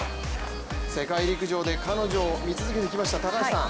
世界陸上で彼女を見続けてきた高橋さん